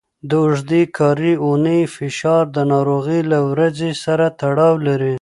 د اوږدې کاري اونۍ فشار د ناروغۍ له ورځې سره تړاو لري.